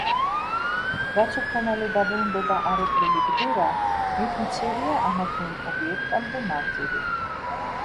რაც უფრო მალე დაბრუნდება არეკლილი ბგერა, მით მცირეა ამა თუ იმ ობიექტამდე მანძილი.